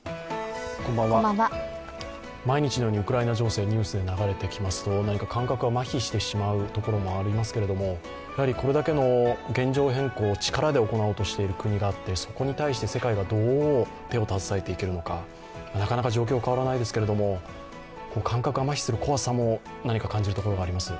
毎日のようにウクライナ情勢がニュースで流れてきますと、感覚がまひしてしまうところもありますがこれだけの現状変更を力で行おうとしている国があってそこに対して、世界がどう手を携えていけるのか、なかなか状況は変わらないですが、感覚がまひするこわさも何か感じるところがあります。